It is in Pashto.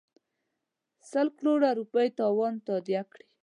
سل کروړه روپۍ تاوان تادیه کړي.